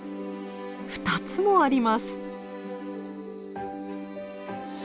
２つもあります。